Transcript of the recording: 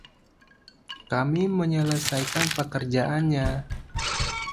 Kami menyelesaikan pekerjaannya.